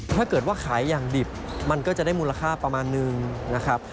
ถ้าเกิดว่าขายอย่างดิบมันก็จะได้มูลค่าประมาณนึงนะครับ